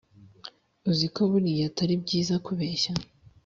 uziko buriya atari byiza kubeshya